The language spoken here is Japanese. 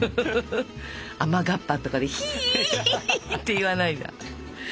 雨がっぱとかでひーひーって言わないんだ。